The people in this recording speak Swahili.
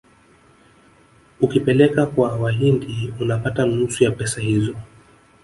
Ukipeleka kwa wahindi unapata nusu ya pesa hizo